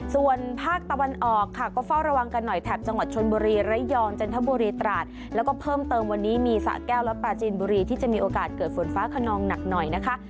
ส่วนภาคตะวันออกค่ะก็เฝ้าระวังกันหน่อยแถบจังหวัดชนบุรีระยองจันทบุรีตราดแล้วก็เพิ่มเติมวันนี้มีสะแก้วและปลาจีนบุรีที่จะมีโอกาสเกิดฝนฟ้าขนองหนักหน่อยนะคะ